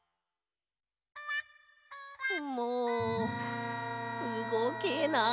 もううごけない。